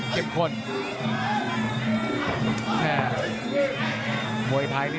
แม่ไร